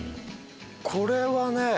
これはね